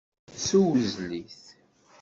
Ssewzel-it.